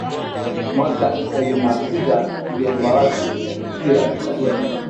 Mkwawa alimuagiza mjombawake kutia sahihi